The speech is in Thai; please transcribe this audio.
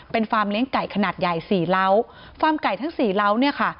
เป็นฟาร์มเลี้ยงไก่ขนาดใหญ่สี่เล้าฟาร์มไก่ทั้งสี่เล้าเนี่ยค่ะ